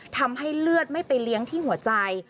ทำให้เลือดไม่ไปเลี้ยงที่หัวใจ